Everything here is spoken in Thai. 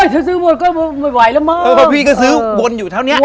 เธอซื้อหมดก็แห็บเว่ง